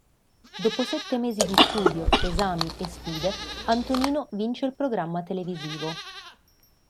Dopo sette mesi di studio, esami e sfide, Antonino vince il programma televisivo.